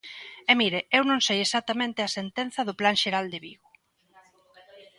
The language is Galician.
E mire, eu non sei exactamente a sentenza do Plan xeral de Vigo.